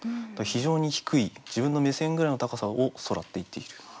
非常に低い自分の目線ぐらいの高さを「空」って言っている。